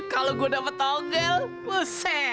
kalau gue dapat tonggel usai